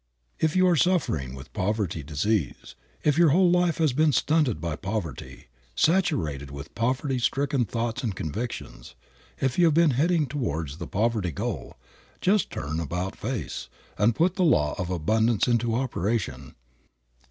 If you are suffering with the poverty disease, if your whole life has been stunted by poverty, saturated with poverty stricken thoughts and convictions, if you have been heading towards the poverty goal, just turn about face, and put the law of abundance into operation.